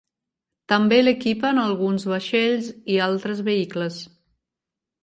També l'equipen alguns vaixells i altres vehicles.